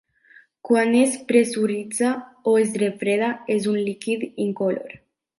Quan es pressuritza o es refreda, és un líquid incolor.